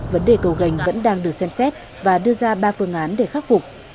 vấn đề cầu gành vẫn đang được xem xét và đưa ra ba phương án để khắc phục